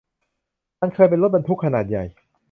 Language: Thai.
มันเคยเป็นรถบรรทุกขนาดใหญ่